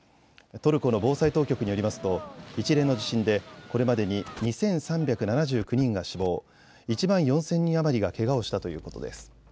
トルコの防災当局によりますと一連の地震でこれまでに２３７９人が死亡、１万４０００人余りがけがをしたということです。